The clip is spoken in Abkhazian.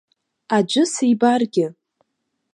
Аӡәы сибаргьы.